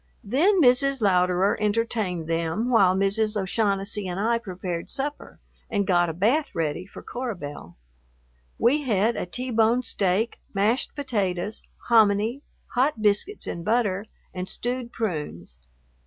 Then Mrs. Louderer entertained them while Mrs. O'Shaughnessy and I prepared supper and got a bath ready for Cora Belle. We had a T bone steak, mashed potatoes, hominy, hot biscuits and butter, and stewed prunes.